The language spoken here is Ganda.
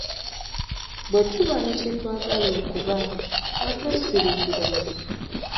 Bwe tuba ne kye twagala okuba, nga twesirikira.